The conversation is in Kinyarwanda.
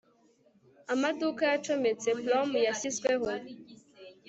amaduka yacometse, prom yashyizweho